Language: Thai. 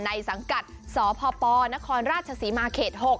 สังกัดสพปนครราชศรีมาเขต๖